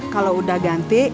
kalau udah ganti